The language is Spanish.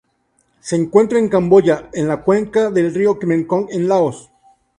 Se encuentra en Camboya y en la cuenca del río Mekong en Laos.